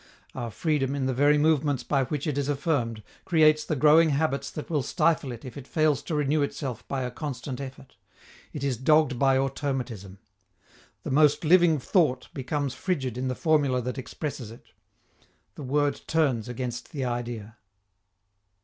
Our freedom, in the very movements by which it is affirmed, creates the growing habits that will stifle it if it fails to renew itself by a constant effort: it is dogged by automatism. The most living thought becomes frigid in the formula that expresses it. The word turns against the idea.